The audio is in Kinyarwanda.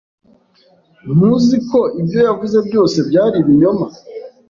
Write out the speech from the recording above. Ntuzi ko ibyo yavuze byose byari ibinyoma?